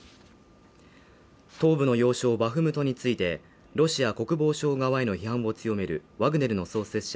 東部の要衝バフムトについて、ロシア国防省側への批判を強めるワグネルの創設者